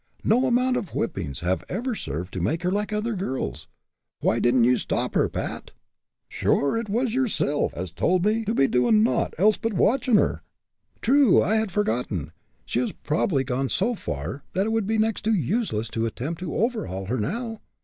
No amount of whippings have ever served to make her like other girls. Why didn't you stop her, Pat?" "Sure, it was yersilf as told me to be doin' naught else but watchin' her." "True, I had forgotten. She has probably gone so far that it would be next to useless to attempt to overhaul her now.